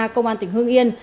công an tỉnh hương yên